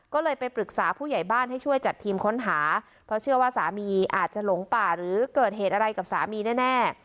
ก็เลยไปปรึกษาผู้ใหญ่บ้านให้ช่วยจัดทีมค้นหาเพราะเชื่อว่าสามีอาจจะหลงป่าหรือเกิดเหตุอะไรกับสามีแน่